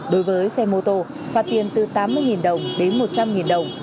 đối với xe mô tô phạt tiền từ tám mươi đồng đến một trăm linh đồng